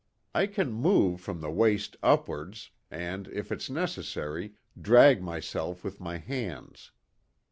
I can move from the waist upwards, and if it's necessary, drag myself with my hands.